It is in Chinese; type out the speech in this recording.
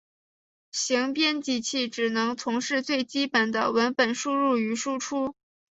行编辑器只能从事最基本的文本输入与输出。